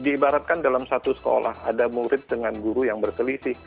diibaratkan dalam satu sekolah ada murid dengan guru yang berkeliti